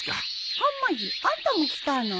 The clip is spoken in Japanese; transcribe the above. はまじあんたも来たの？